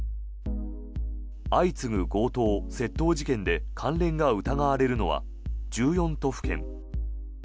相次ぐ強盗・窃盗事件で関連が疑われるのは１４都府県。